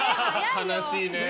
悲しいね。